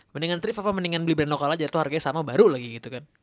mendingan trip apa mendingan beli brand lokal aja itu harganya sama baru lagi gitu kan